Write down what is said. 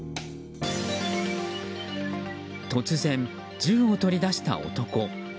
突然、銃を取り出した男。